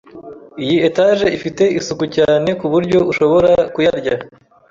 Iyi etage ifite isuku cyane kuburyo ushobora kuyarya.